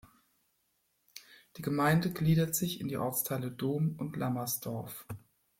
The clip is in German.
Die Gemeinde gliedert sich in die Ortsteile Dohm und Lammersdorf.